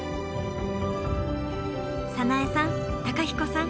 早苗さん公彦さん